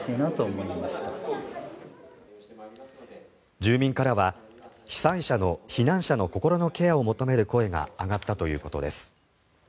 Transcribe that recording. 住民からは避難者の心のケアを求める声が上がったということです。